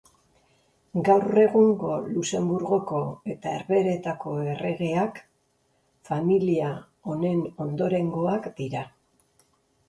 Gaur egungo Luxenburgoko eta Herbehereetako erregeak familia honen ondorengoak dira.